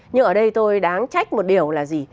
nhưng ở đây tôi đáng trách một điều là gì